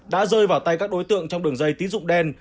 đã rơi vào tay các đối tượng trong đường dây tín dụng đen